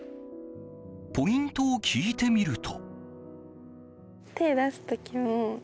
ポイントを聞いてみると。